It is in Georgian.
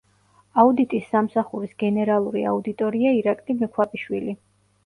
აუდიტის სამსახურის გენერალური აუდიტორია ირაკლი მექვაბიშვილი.